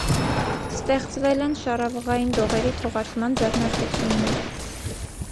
Ստեղծվել են շառավղային դողերի թողարկման ձեռնարկություններ։